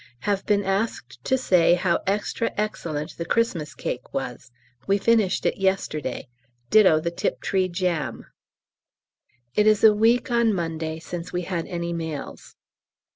Have been asked to say how extra excellent the Xmas cake was; we finished it yesterday, ditto the Tiptree jam. It is a week on Monday since we had any mails.